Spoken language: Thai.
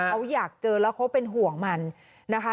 เขาอยากเจอแล้วเขาเป็นห่วงมันนะคะ